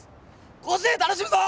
甲子園楽しむぞ。